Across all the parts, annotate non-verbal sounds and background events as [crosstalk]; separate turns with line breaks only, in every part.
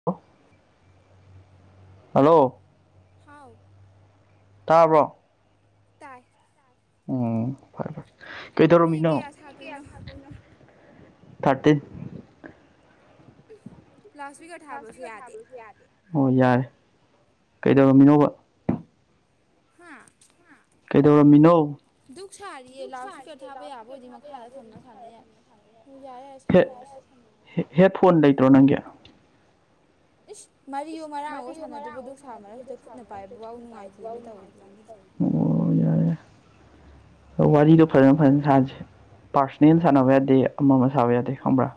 [unintelligible] Hello
ꯍꯥꯎ
ꯇꯥꯕ꯭ꯔꯣ
ꯇꯥꯏ
ꯎꯝ ꯐꯔꯦ ꯐꯔꯦ
ꯃꯤꯅꯤꯠ
ꯀꯩꯗꯧꯔꯝꯃꯤꯅꯣ
ꯀꯌꯥ ꯁꯥꯗꯣꯏꯅꯣ
[inaudible] ꯊꯥꯔꯇꯤꯟ
ꯂꯥꯎꯠꯏꯄꯤꯀꯔ
ꯂꯥꯎꯠꯏꯄꯤꯀꯔ ꯊꯥꯕꯁꯨ ꯌꯥꯗꯦ ꯍꯣꯏ ꯌꯥꯔꯦ ꯀꯩꯗꯧꯔꯝꯃꯤꯅꯣꯕ
ꯍꯥꯥ
ꯀꯩꯗꯧꯔꯝꯃꯤꯅꯣ
ꯗꯨꯛ ꯁꯥꯔꯤꯌꯦ ꯂꯥꯎꯏꯄꯤꯀꯔ ꯊꯥꯕ ꯌꯥꯕ ꯑꯣꯏꯗꯤ ꯃꯈꯥꯗ ꯊꯝꯃ ꯁꯥꯟꯅ ꯌꯥꯏ ꯍꯣꯏ ꯌꯥꯏ ꯌꯥꯏ ꯁꯅꯥꯔꯁꯤ
ꯍꯦꯠ ꯐꯣꯟ ꯂꯩꯇ꯭ꯔꯣ ꯅꯪꯒꯤ
ꯏꯁ ꯃꯔꯤꯌꯣ ꯃꯔꯥꯡ ꯑꯣ ꯁꯥꯟꯅꯗꯣꯏꯔꯤꯕ ꯗꯨꯛ ꯁꯥ ꯃꯔꯛꯁꯤꯗ ꯈꯨꯠꯅ ꯄꯥꯏꯕ ꯐꯥꯎ ꯅꯨꯡꯉꯥꯏꯇꯦꯅ ꯇꯧꯀꯥꯟꯁꯤꯗꯥ
[unintelligible] ꯋꯥꯔꯤꯗꯣ ꯐꯖꯅ ꯐꯖꯅ ꯁꯥꯟꯁꯤ ꯄꯥꯔꯁꯣꯅꯦꯜ ꯁꯥꯟꯅꯕ ꯌꯥꯗꯦ ꯑꯃ ꯑꯃ ꯁꯥꯏꯕ ꯌꯥꯗꯦ ꯈꯪꯕ꯭ꯔꯥ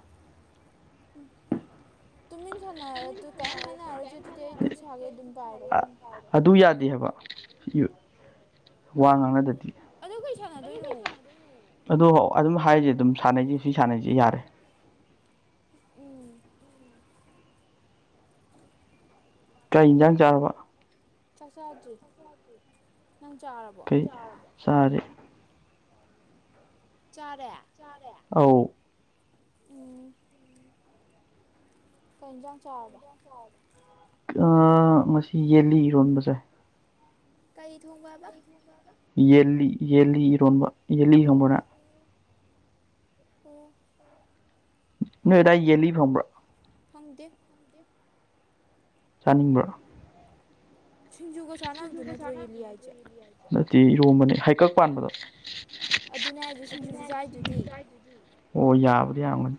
ꯎꯝ ꯇꯨꯃꯤꯟ ꯁꯥꯟꯅꯔꯗꯨ ꯀꯔꯤꯝ ꯍꯥꯏꯅꯔꯔꯁꯦ ꯑꯗꯨꯗꯤ ꯑꯩ ꯗꯨꯛ ꯁꯥꯒꯦ ꯑꯗꯨꯝ ꯄꯥꯏꯔꯣ
ꯑꯗꯨ ꯌꯥꯗꯦ ꯍꯥꯏꯕ ꯋꯥ ꯉꯥꯡꯅꯗꯗꯤ
ꯑꯗꯨ ꯀꯩ ꯁꯥꯟꯅꯗꯣꯏꯅꯣ꯫
ꯑꯗꯣ ꯑꯗꯨꯝ ꯍꯥꯏꯔꯤꯁꯦ ꯑꯗꯨꯝ ꯁꯥꯟꯅꯩꯁꯦ ꯁꯤ ꯁꯥꯟꯅꯩꯁꯤ ꯌꯥꯔꯦ꯫
[unintelligible]
ꯀꯩ ꯏꯟꯖꯥꯡ ꯆꯥꯔꯕ꯫
ꯆꯥꯛ ꯆꯥꯗ꯭ꯔꯤ ꯅꯪ ꯆꯥꯔꯕꯣ꯫
ꯀꯩ ꯆꯥꯔꯦ꯫
ꯆꯥꯔꯦ꯫
ꯑꯧ꯫
ꯎꯝ ꯀꯩ ꯏꯟꯖꯥꯡ ꯆꯥꯔꯕ꯫
ꯑ ꯉꯁꯤ ꯌꯦꯟꯂꯤ ꯏꯔꯣꯟꯕ ꯆꯥꯏ꯫
ꯀꯩ ꯊꯣꯡꯕ ꯕ꯫
ꯌꯦꯜꯂꯤ ꯌꯦꯜꯂꯤ ꯏꯔꯣꯟꯕ ꯌꯦꯜꯂꯤ
ꯑꯣ
ꯈꯪꯕ꯭ꯔꫭ ꯅꯪ꯫
ꯑꯣ꯫
ꯅꯣꯏ ꯑꯗꯥꯏ ꯌꯦꯜꯂꯤ ꯐꯪꯕ꯭ꯔꯣ꯫
ꯐꯪꯗꯦ꯫
ꯆꯥꯅꯤꯡꯕ꯭ꯔꯣ꯫
ꯁꯤꯡꯖꯨꯒ ꯆꯥꯟꯅꯕꯗꯨ ꯅꯠꯇ꯭ꯔꯣ ꯌꯦꯜꯂꯤ ꯍꯥꯏꯁꯦ꯫
ꯅꯠꯇꯦ ꯏꯔꯣꯝꯕꯅꯦ ꯍꯩꯀꯛ ꯄꯥꯟꯕꯗꯣ꯫
ꯑꯗꯨꯅꯦ ꯍꯥꯏꯖꯦ ꯁꯤꯡꯖꯨꯖꯨ ꯆꯥꯏꯗꯨꯗꯤ꯫
ꯑꯣ ꯌꯥꯕꯨꯗꯤꯥ ꯌꯥꯔꯝꯒꯅꯤ꯫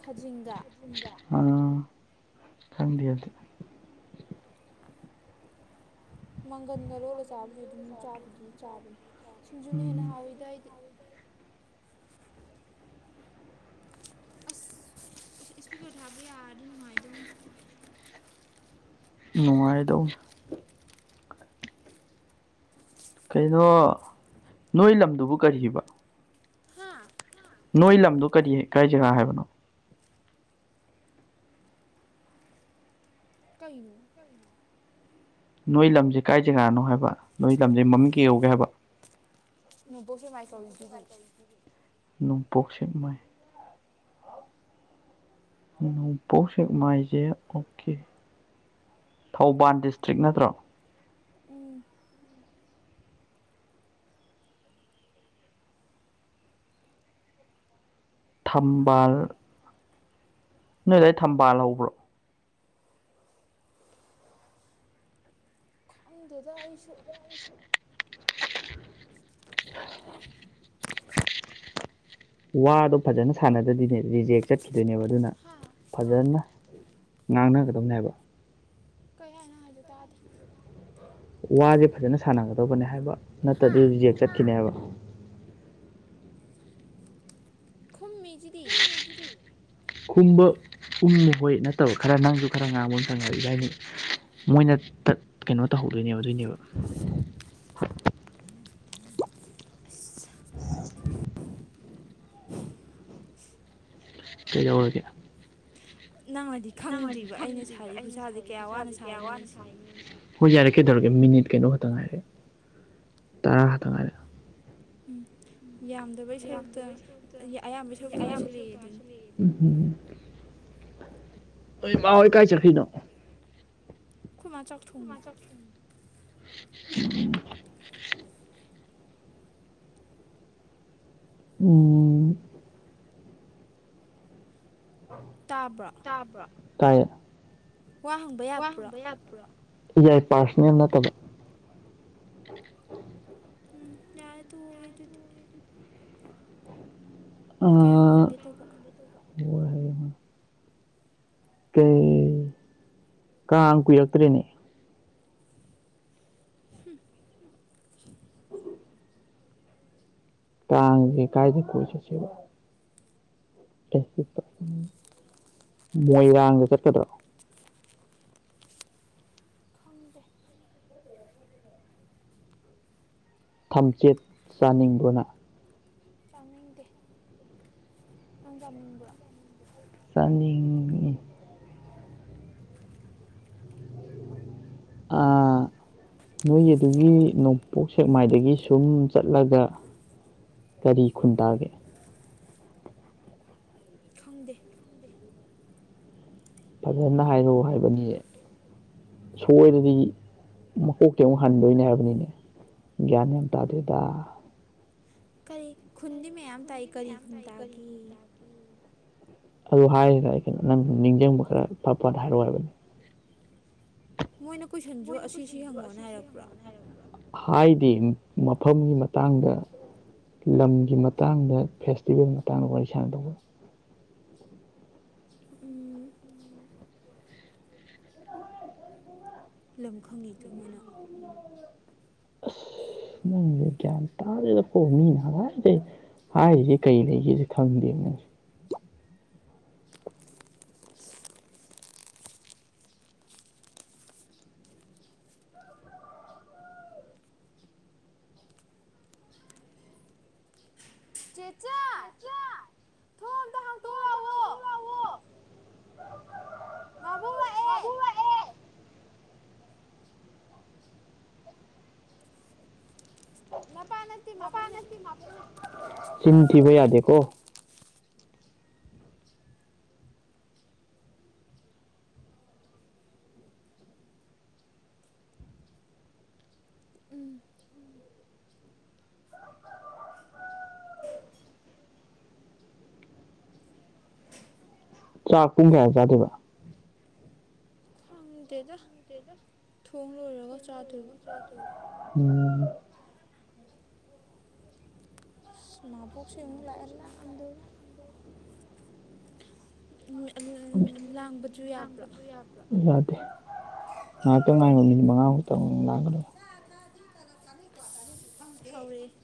ꯈꯖꯤꯡꯒ꯫
ꯑ ꯈꯪꯗꯦ ꯑꯗꯨ꯫
ꯃꯪꯒꯟꯒ ꯂꯣꯜꯂ ꯆꯥꯕꯗꯤ ꯑꯗꯨꯝ ꯆꯥꯕꯨꯗꯤ ꯆꯥꯕꯅꯤ ꯁꯤꯡꯖꯨꯅ ꯍꯦꯟꯅ
ꯎꯝ
ꯍꯥꯎꯋꯤꯗ ꯑꯩꯗꯤ꯫ ꯏꯁ꯭ꯄꯤꯀꯔ ꯊꯥꯕ ꯌꯥꯔꯗꯤ ꯅꯨꯡꯉꯥꯏꯗꯧꯅꯤ꯫
ꯅꯨꯡꯉꯥꯏꯔꯗꯧꯅꯤ꯫ ꯀꯩꯅꯣ ꯅꯣꯏ ꯂꯝꯗꯨꯕꯨ ꯀꯔꯤꯕ꯫
ꯍꯥ
ꯅꯣꯏ ꯂꯝꯗꯣ ꯀꯔꯤ ꯀꯥꯏ ꯖꯒꯥ ꯍꯥꯏꯕꯅꯣ꯫
ꯀꯩꯅꯣ꯫
ꯅꯣꯏ ꯂꯝꯖꯦ ꯀꯥꯏ ꯖꯒꯥꯅꯣ ꯍꯥꯏꯕ ꯅꯣꯏ ꯂꯝꯖꯦ ꯃꯃꯤꯡ ꯀꯩ ꯀꯧꯒꯦ ꯍꯥꯏꯕ꯫
ꯅꯣꯡꯄꯣꯛ ꯁꯦꯛꯃꯥꯥꯏ ꯀꯧꯔꯤꯗꯨꯗꯤ꯫
ꯅꯣꯡꯄꯣꯛ ꯁꯦꯛꯃꯥꯏ꯫ ꯅꯣꯡꯄꯣꯛ ꯁꯦꯛ ꯃꯥꯏꯖꯦ ꯑꯣꯀꯦ ꯊꯧꯕꯥꯜ ꯗꯤꯁꯇ꯭ꯔꯤꯛ ꯅꯠꯇ꯭ꯔꯣ꯫
ꯎꯝ
ꯊꯝꯕꯥꯜ꯫ ꯅꯣꯏ ꯑꯗꯥꯏ ꯊꯝꯕꯥꯜ ꯍꯧꯕ꯭ꯔꯣ꯫
ꯈꯪꯗꯦꯗ ꯑꯩꯁꯨ꯫
[unintelligible] ꯋꯥꯗꯣ ꯐꯖꯅ ꯁꯥꯟꯅꯗ꯭ꯔꯗꯤꯅꯦ ꯔꯤꯖꯦꯛ ꯆꯠꯈꯤꯗꯣꯏꯅꯦꯕ ꯑꯗꯨꯅ꯫
ꯍꯥ
ꯐꯖꯅ ꯉꯥꯡꯅꯒꯗꯕꯅꯦ ꯍꯥꯏꯕ꯫
ꯀꯩ ꯍꯥꯏꯅꯣ ꯅꯪꯪ ꯍꯥꯏꯗꯣ ꯇꯥꯗꯦ꯫
ꯋꯥꯖꯦ ꯐꯖꯅ ꯁꯥꯟꯅꯒꯗꯧꯕꯅꯦ ꯍꯥꯏꯕ
ꯍꯥ
ꯅꯠꯇꯗꯤ ꯔꯤꯖꯦꯛ ꯆꯠꯈꯤꯅꯦꯕ꯫
ꯈꯨꯝꯃꯤꯖꯤꯗꯤ꯫
ꯈꯨꯝꯕ ꯎꯪꯕ ꯍꯣꯏ ꯅꯠꯇꯕ ꯈꯔ ꯅꯪꯁꯨ ꯈꯔ ꯉꯥꯡꯕ ꯆꯪꯉ ꯏꯕꯥꯅꯤ꯫ ꯃꯣꯏꯅ ꯇꯠ ꯀꯩꯅꯣ ꯇꯧꯍꯧꯗꯣꯏꯅꯦꯕ ꯑꯗꯨꯏꯅꯦꯕ꯫
ꯑꯁ
ꯀꯩꯗꯧꯔꯒꯦ
ꯂꯥꯛꯑꯗꯤ
ꯅꯪꯅꯥꯗꯤ ꯈꯪꯗ꯭ꯔꯤꯕ ꯑꯩꯅ ꯁꯥꯔꯤ
ꯋꯥꯅ
ꯈꯨꯁꯥꯁꯦ ꯀꯌꯥ ꯋꯥꯅ
ꯁꯥꯔꯤꯅꯣꯁꯦ
ꯁꯥꯏꯅꯤꯁꯦ ꯍꯣꯏ ꯌꯥꯔꯦ ꯀꯩꯗꯧꯔꯒꯦ ꯃꯤꯅꯤꯠ ꯀꯩꯅꯣ ꯈꯛꯇꯪ ꯉꯥꯏꯔꯦ ꯇꯔꯥ ꯈꯇꯪ ꯉꯥꯏꯔꯦ꯫
ꯌꯥꯝꯗꯕꯩ ꯁꯔꯨꯛ ꯇꯪ ꯑꯌꯥꯝꯕ ꯁꯔꯨꯛꯇ ꯉꯥꯏꯁꯤꯜꯂꯛꯑꯦ ꯑꯗꯨꯅꯤ
ꯎꯝꯍꯨꯝ ꯅꯣꯏ ꯃꯥ ꯍꯣꯏ ꯀꯥꯏ ꯆꯠꯈꯤꯅꯣ
ꯈꯣꯏ ꯃꯥ ꯆꯥꯛ ꯊꯣꯡꯉꯤ
ꯎꯝ ꯑ
ꯇꯥꯕ꯭ꯔꯣ
ꯇꯥꯕ꯭ꯔꯣ ꯇꯥꯏꯌꯦ
ꯋꯥ ꯍꯪꯕ
ꯋꯥ
ꯌꯥꯕ꯭ꯔꯣ
ꯍꯪꯕ ꯌꯥ ꯌꯥꯏ ꯄꯥꯔꯁꯅꯦꯜ ꯅꯠꯇꯕ
ꯎꯝ ꯌꯥꯔꯦ ꯇꯣꯛꯑꯒꯦ ꯗꯨꯗꯤ ꯀꯩꯅꯣꯝ
ꯑꯥ
ꯍꯪꯒꯦ ꯇꯧꯕ
ꯀꯩ ꯀꯥꯡ ꯀꯨꯏꯔꯛꯇ꯭ꯔꯦꯅꯦ
ꯍꯨꯝ
ꯀꯥꯡꯁꯦ ꯀꯥꯏꯗ ꯀꯣꯏ ꯆꯠꯁꯦꯕ ꯆꯠꯁꯦ꯫ ꯃꯣꯏꯔꯥꯡꯗ ꯆꯠꯀꯗ꯭ꯔꯣ
ꯈꯪꯗꯦ
ꯊꯝꯆꯦꯠ ꯆꯥꯅꯤꯡꯕ꯭ꯔꯣ ꯅꯪ
ꯆꯥꯅꯤꯡꯗꯦ ꯅꯪ ꯆꯥꯅꯤꯡꯕ꯭ꯔꯣ
ꯆꯥꯅꯤꯡ ꯑꯥ ꯅꯣꯏꯒꯤ ꯑꯗꯨꯒꯤ ꯅꯣꯡꯄꯣꯛ ꯁꯦꯛꯃꯥꯏꯗꯒꯤ ꯁꯨꯝ ꯆꯠꯂꯒ ꯀꯔꯤ ꯈꯨꯟꯇꯥꯒꯦ
ꯈꯪꯗꯦ
ꯐꯖꯅ ꯍꯥꯏꯔꯛ ꯑꯣ ꯍꯥꯏꯕꯅꯦ ꯁꯣꯏꯔꯗꯤ ꯃꯀꯣꯛꯇꯩ ꯑꯃꯨꯛ ꯍꯟꯗꯣꯏꯅꯦ ꯍꯥꯏꯕꯅꯤꯅꯦ ꯒ꯭ꯌꯥꯟ ꯌꯥꯝ ꯇꯥꯗꯦꯗ
ꯀꯔꯤ ꯈꯨꯟꯗꯤ ꯃꯌꯥꯝ ꯇꯥꯏ ꯀꯔꯤ ꯈꯨꯟ ꯇꯥꯒꯦꯌꯦ
ꯑꯗꯨ ꯍꯥꯏꯔꯤꯗ ꯑꯩ ꯀꯩꯅꯣ ꯅꯪ ꯅꯤꯡꯖꯤꯡꯕ ꯈꯔ ꯐꯠ ꯐꯠ ꯍꯥꯏꯔꯛꯑꯣ ꯍꯥꯏꯕꯅꯤ
ꯃꯣꯏꯅ ꯀꯣꯏꯁꯟꯁꯨ ꯑꯁꯤꯁꯤ ꯍꯪꯉꯣꯅ ꯍꯥꯏꯔꯛꯄ꯭ꯔꯥ
ꯍꯥꯏꯗꯦ ꯃ ꯃꯐꯝꯒꯤ ꯃꯇꯥꯡꯗ ꯂꯝꯒꯤ ꯃꯇꯥꯡꯗ ꯐꯦꯁꯇꯤꯚꯦꯜ ꯃꯇꯥꯡꯗ ꯋꯥꯔꯤ ꯁꯥꯟꯅꯗꯧꯕ
ꯎꯝ ꯂꯝ ꯈꯪꯉꯤꯗꯨꯕꯨꯅ
ꯑꯁ ꯅꯪꯖꯦ ꯒ꯭ꯌꯥꯟ ꯇꯒꯤꯗꯦꯀꯣ ꯃꯤꯅꯥ ꯍꯥꯏꯖꯦ ꯍꯥꯏꯔꯤꯁꯦ ꯀꯔꯤ ꯂꯩꯒꯦꯁꯦ ꯈꯪꯗꯦ ꯅꯪꯁꯨ
ꯆꯦꯆꯥ ꯊꯣꯡ ꯑꯝꯇ ꯍꯥꯡꯇꯣꯛꯎ ꯂꯥꯛꯑꯣ ꯃꯥꯕꯣ ꯃꯄꯥ ꯅꯠꯇꯦ ꯃꯥꯕꯨꯡꯅꯦ
ꯆꯤꯟ ꯊꯤꯕ ꯌꯥꯗꯦꯀꯣ ꯆꯥꯛ ꯄꯨꯡ ꯀꯌꯥ ꯆꯥꯗꯣꯏꯕ
ꯈꯪꯗꯦꯗ ꯊꯣꯡ ꯂꯣꯏꯔꯒ ꯆꯥꯗꯣꯏꯕ
[unintelligible]
[unintelligible] [unintelligible] ꯃꯕꯨꯣꯛꯁꯦ ꯑꯃꯨꯛ ꯂꯥꯛꯑꯦ ꯂꯥꯡꯗꯣꯔꯤ [unintelligible] ꯂꯥꯡꯕꯖꯨ ꯌꯥꯕ꯭ꯔꯣ
ꯌꯥꯗꯦ [unintelligible] ꯉꯥꯍꯥꯛꯇꯪ [unintelligible] ꯃꯤꯅꯤꯠ ꯃꯉꯥꯃꯨꯛꯇꯪ ꯂꯥꯡꯉꯗꯤ
ꯆꯥ ꯊꯛꯑꯗꯤ ꯇꯂꯞ ꯆꯥꯅꯤ ꯀ꯭ꯋꯥ ꯆꯥꯅꯤ ꯈꯪꯗꯦ ꯍꯧꯔꯛꯑꯦ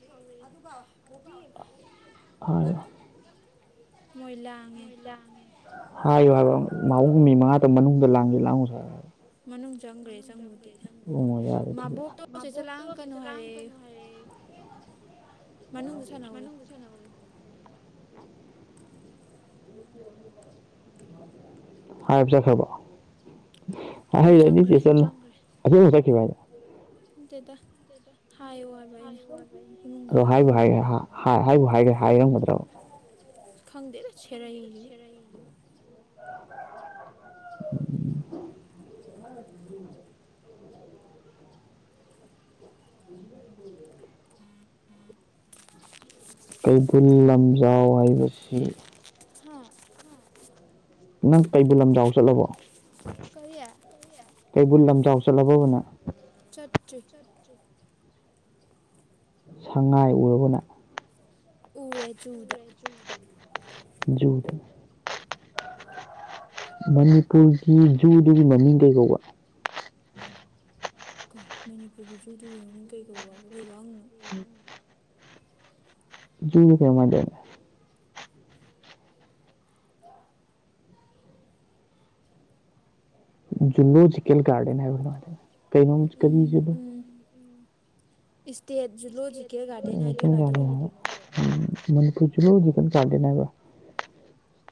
ꯑꯗꯨꯒ ꯄꯣꯄꯤ [unintelligible]
ꯍꯥꯏ
[unintelligible] ꯃꯣꯏ ꯂꯥꯡꯉꯦ
ꯂꯥꯡꯉꯦ ꯍꯥꯏꯌꯨ ꯍꯥꯏꯕ [unintelligible] ꯃꯥꯕꯣꯛ ꯃꯤ ꯃꯉꯥꯇ ꯃꯅꯨꯡꯗ ꯂꯥꯡꯒꯦ ꯂꯥꯡꯉꯨ ꯁꯣ [unintelligible]
[unintelligible] ꯃꯅꯨꯡ ꯆꯪꯒ꯭ꯔꯦ ꯆꯪꯕꯨꯗꯤ
ꯎꯝ ꯉꯣ ꯌꯥꯔꯦ ꯗꯨꯗꯤ
ꯃꯥꯕꯣꯛꯇꯣ
ꯃꯣꯕꯣꯛꯇꯣ ꯆꯦꯆꯦ ꯂꯥꯡꯀꯅꯣ ꯍꯥꯏ
ꯑꯈꯣꯏ ꯍꯦꯔꯣꯅ ꯁꯤꯟꯕ ꯃꯅꯨꯡꯗ ꯁꯥꯟꯅꯧ ꯑꯌꯨ
ꯁꯥꯟꯅꯧ ꯑꯌꯨ [unintelligible] [unintelligible] ꯍꯥꯏꯕ ꯆꯠꯈ꯭ꯔꯕꯣ [unintelligible]
ꯆꯪꯈ꯭ꯔꯦ
ꯆꯦꯆꯦ ꯅ ꯆꯪꯒ꯭ꯔꯦ ꯑꯁꯦꯡꯕ ꯆꯠꯈ꯭ꯔꯤꯕ ꯍꯥꯏ
ꯅꯠꯇꯦꯗ ꯍꯥꯏꯌꯣ ꯍꯥꯏꯕ ꯑꯩꯅ ꯏꯃꯨꯡꯗ
ꯑꯗꯣ ꯍꯥꯏꯕꯨ ꯍꯥꯏ
ꯂꯥꯡꯉꯣꯅ
ꯍꯥ ꯍꯥ ꯍꯥꯏꯕꯨ ꯍꯥꯏꯒ꯭ꯔꯦ ꯍꯥꯏꯔꯝꯒꯗ꯭ꯔꯣ
ꯈꯪꯗꯦꯗ ꯁꯦꯔꯩꯖꯤꯕꯨ
ꯀꯩꯕꯨꯜ ꯂꯝꯖꯥꯎ ꯍꯥꯏꯕꯁꯤ
ꯍꯥ
ꯅꯪ ꯀꯩꯕꯨꯜ ꯂꯝꯖꯥꯎ ꯆꯠꯂꯕꯣ
ꯀꯔꯤ
ꯀꯩꯕꯨꯜ ꯂꯝꯖꯥꯎ ꯆꯠꯂꯕꯕ ꯅꯪ
ꯆꯠꯇ꯭ꯔꯤ
ꯁꯪꯉꯥꯏ ꯎꯔꯕꯣ ꯅ
ꯎꯔꯦ ꯆꯨꯗ
ꯖꯨꯗ ꯃꯅꯤꯄꯨꯔꯒꯤ ꯖꯨꯗꯨꯒꯤ ꯃꯃꯤꯡ ꯀꯩ ꯀꯧꯕ
ꯀꯩꯅꯣ ꯃꯅꯤꯄꯨꯔꯒꯤ ꯖꯨꯗꯨꯒꯤ ꯃꯃꯤꯡ ꯀꯩ ꯀꯧꯕꯕꯨ ꯀꯩ ꯋꯥꯍꯪꯅꯣ
ꯖꯨ [unintelligible] ꯖꯨꯂꯣꯖꯤꯀꯦꯜ ꯒꯥꯔꯗꯦꯟ ꯍꯥꯏꯕ꯭ꯔ ꯀꯩꯅꯣꯝ ꯍꯥꯏꯗꯥꯏꯅꯦ ꯀꯩꯅꯣꯝ
ꯎꯝ
ꯀꯔꯤ [unintelligible]
ꯎꯝ state zoo
state zoological garden ꯍꯥꯏꯕ ꯎꯝ ꯃꯅꯤꯄꯨꯔ ꯖꯨꯂꯣꯖꯤꯀꯦꯜ ꯒꯥꯔꯗꯦꯟ ꯍꯥꯏꯕ꯭ꯔꯣ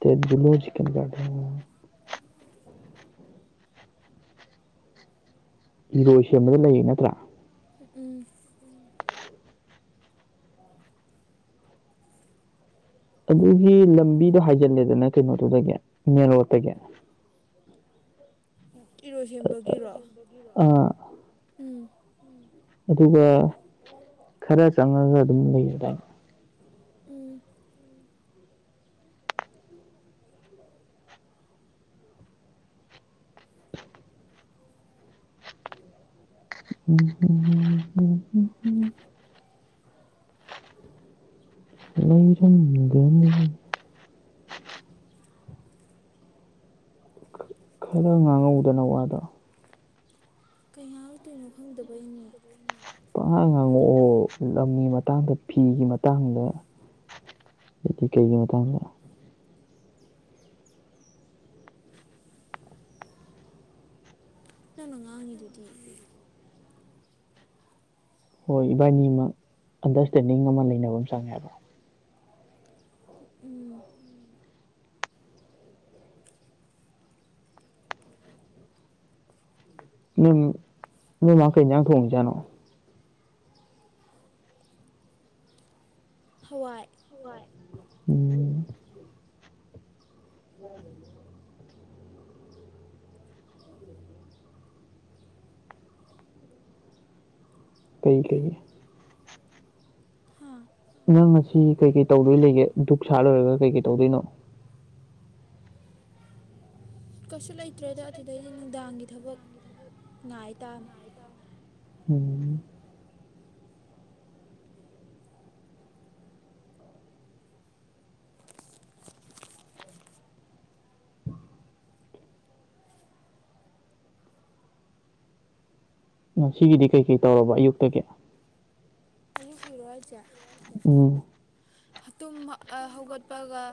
ꯇꯦꯠ ꯖꯨꯂꯣꯖꯤꯀꯦꯜ ꯒꯥꯔꯗꯦꯟ [unintelligible] ꯏꯔꯣꯏ ꯁꯦꯝꯕꯗ ꯂꯩꯔꯤ ꯅꯠꯇ꯭ꯔꯥ
[unintelligible] ꯎꯝ
ꯑꯗꯨꯒꯤ ꯂꯝꯕꯤꯗꯣ ꯍꯥꯏꯖꯜꯂꯦꯗꯅ ꯀꯩꯅꯣꯗꯨꯗꯒꯤ ꯃꯦꯟ ꯔꯣꯠꯇꯒꯤ
[unintelligible] ꯏꯔꯣꯏꯁꯦꯝꯕꯒꯤꯔꯣ
ꯑꯥ
ꯎꯝ
ꯑꯗꯨꯒ ꯈꯔ ꯆꯪꯉꯒ ꯑꯗꯨꯝ ꯂꯩꯔꯗꯥꯏꯅꯦ
ꯎꯝ
[unintelligible] [unintelligible] ꯈꯔ ꯉꯥꯡꯍꯧꯗꯅ ꯋꯥꯗꯣ
ꯀꯩꯩꯅ ꯉꯥꯡꯉꯛ ꯀꯩꯅꯣ ꯈꯪꯗꯕꯕꯩꯅꯦ
ꯄꯪꯉꯥꯡ ꯉꯥꯡꯉꯛꯑꯣ ꯂꯝꯒꯤ ꯃꯇꯥꯡꯗ ꯐꯤꯒꯤ ꯃꯇꯥꯡꯗ ꯑꯗꯨꯗꯤ ꯀꯩꯒꯤ ꯃꯇꯥꯡꯗ
ꯃꯤꯗꯨꯗꯤ
ꯍꯣꯏ ꯏꯕꯥꯅꯤꯃꯛ ꯑꯟꯗꯔꯁꯇꯦꯟꯗꯤꯡ ꯑꯃ ꯂꯩꯅꯕ ꯑꯃ ꯆꯪꯉꯦ ꯍꯥꯏꯕ
ꯎꯝ
ꯅꯪ ꯅꯣꯏ‌ꯃꯥ ꯀꯩ ꯍꯦꯟꯖꯥꯛ ꯊꯣꯡꯏꯖꯥꯠꯅꯣ
ꯍꯋꯥꯏ
[unintelligible] [unintelligible] ꯀꯩ‌‌ ꯀꯩ
ꯍꯥ
ꯅꯪ ꯉꯁꯤ ꯀꯩ ꯀꯩ ꯇꯧꯗꯣꯏ ꯂꯩꯒꯦ ꯙꯗꯨꯛ ꯁꯥ ꯂꯣꯏꯔꯒ ꯀꯩ ꯀꯩ ꯇꯧꯗꯣꯏꯅꯣ
ꯀꯩꯁꯨ ꯂꯩꯇ꯭ꯔꯦꯗ ꯑꯗꯨꯗꯩꯗꯤ ꯅꯨꯡꯗꯥꯡꯒꯤ ꯊꯕꯛ ꯉꯥꯏꯇꯥꯝ
ꯎꯝ ꯉꯁꯤꯒꯤꯗꯤ ꯀꯩ ꯀꯩ ꯇꯧꯔꯕ ꯑꯌꯨꯛꯇꯒꯤ
ꯑꯌꯨꯛꯀꯤꯔꯣ ꯍꯥꯏꯖꯦ
ꯎꯝ
ꯇꯨꯝ ꯍꯧꯒꯠꯄꯒ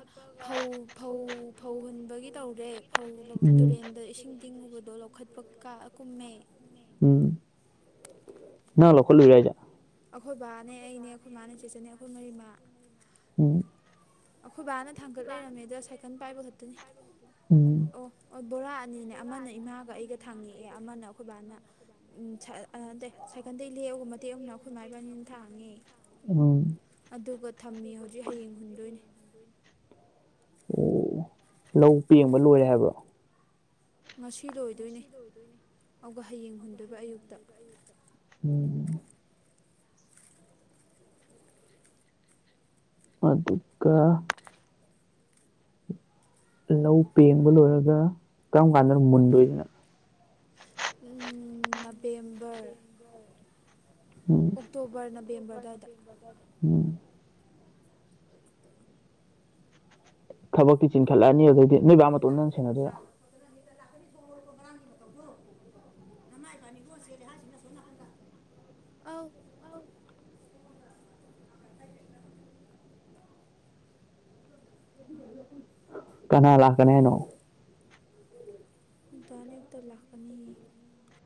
ꯐꯧ ꯐꯧ ꯐꯧꯍꯨꯟꯕꯒꯤ ꯇꯧꯔꯦ ꯐꯧ
ꯎꯝ
ꯇꯨꯔꯦꯟꯗ ꯏꯁꯤꯡ ꯇꯤꯡꯉꯨꯕꯗꯣ ꯂꯧꯈꯠꯄ ꯀ ꯀꯨꯝꯃꯦ
ꯎꯝ ꯅꯪ ꯂꯧꯈꯠꯂꯨꯏꯔ ꯍꯥꯏꯖꯦ
ꯑꯩꯈꯣꯏ ꯕꯥꯅꯦ ꯑꯩꯅꯦ ꯑꯩꯈꯣꯏ ꯃꯥꯕꯥꯥꯅꯦ ꯆꯦꯠꯆꯅꯦ ꯑꯩꯈꯣꯏ ꯃꯔꯤꯃꯥ
ꯎꯝ
ꯑꯩꯈꯣꯏ ꯕꯥꯅ ꯊꯥꯡꯒꯠ ꯂꯩꯔꯝꯃꯦꯗ ꯑꯗ ꯁꯥꯏꯀꯜ ꯄꯥꯏꯕ ꯈꯛꯇꯅꯤ
ꯎꯝ
ꯑꯣ ꯑꯣ ꯕꯣꯔꯥ ꯑꯅꯤꯅꯦ ꯑꯃꯅ ꯏꯃꯥꯒ ꯑꯩꯒ ꯊꯥꯡꯉꯛꯑꯦ ꯑꯃꯅ ꯑꯩꯈꯣꯏꯕꯥꯅ ꯎꯝꯗ ꯁꯥꯏꯀꯜꯗꯗꯡ ꯏꯟꯂꯦꯛꯑꯒ ꯃꯇꯦꯛ ꯑꯃꯅ ꯑꯩꯈꯣꯏ ꯃꯥ ꯏꯕꯅꯤꯅ ꯊꯥꯡꯉꯦ
ꯎꯝ
ꯑꯗꯨꯒ ꯊꯝꯃꯤ ꯍꯧꯖꯤꯛ ꯍꯌꯦꯡ ꯍꯨꯟꯗꯣꯏꯅꯤ
ꯑꯣ ꯂꯧ ꯄꯦꯡꯕ ꯂꯣꯏꯔꯦ ꯍꯥꯏꯕꯔꯣ
ꯉꯁꯤ ꯂꯣꯏꯗꯣꯏꯅꯦ ꯑꯗꯨꯒ ꯍꯌꯦꯡ ꯍꯨꯟꯗꯣꯏꯕ ꯑꯌꯨꯛꯇ
ꯎꯝ ꯑꯗꯨꯒ ꯂꯧ ꯄꯦꯡꯕ ꯂꯣꯏꯔꯒ ꯀꯔꯝ ꯀꯥꯟꯗꯅ ꯃꯨꯟꯗꯣꯏꯖꯤꯅ
ꯎꯝ ꯅꯕꯦꯝꯕꯔ ꯑꯣꯛꯇꯣꯕꯔ ꯅꯕꯦꯝꯕꯔ ꯑꯗꯨꯋꯥꯏꯗ
ꯎꯝ ꯊꯕꯛꯇꯤ ꯆꯤꯡꯈꯠꯂꯛꯑꯅꯤ ꯑꯗꯨꯗꯩꯗꯤ ꯅꯣꯏ ꯕꯥ‌‌ꯃꯇꯣꯝꯗꯅ ꯁꯦꯟꯅꯗꯣꯏꯔꯥ
ꯐꯖꯅ ꯍꯠꯇ ꯂꯥꯛꯀꯅꯤ ꯁꯣꯡꯉꯣꯔꯣꯀꯣ ꯉꯔꯥꯡꯒꯤ ꯃꯇꯧꯗꯣ ꯅꯃꯥ ꯏꯕꯅꯤꯕꯨ ꯂꯣꯟꯅ‌‌ ꯆꯦꯂꯦ ꯍꯥꯏꯁꯤꯅꯤ ‌ꯑꯁꯣꯝ‌ ꯅꯥꯀꯟꯗ ꯑꯧ [unintelligible] [unintelligible]
ꯀꯅꯥ ꯂꯥꯛꯀꯅꯤ ꯍꯥꯏꯅꯣ
ꯗꯥ ‌ꯅꯤꯎꯇꯟ ꯂꯥꯛꯀꯅꯤ